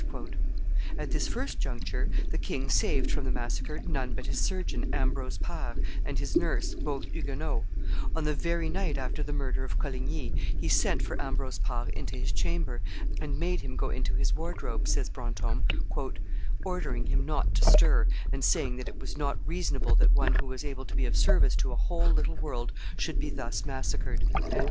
At this first juncture, the king saved from the massacre none but his surgeon, Ambrose Pare, and his nurse, both Huguenots; on the very night after the murder of Coligny, he sent for Ambrose Pare into his chamber, and made him go into his wardrobe, says Brantome, "ordering him not to stir, and saying that it was not reasonable that one who was able to be of service to a whole little world should be thus massacred."